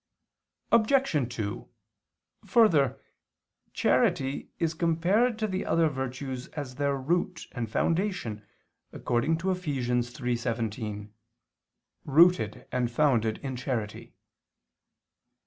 Obj. 2: Further, charity is compared to the other virtues as their root and foundation, according to Eph. 3:17: "Rooted and founded in charity."